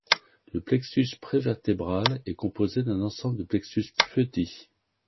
Le plexus prévertébral est composé d'un ensemble de plexus plus petits.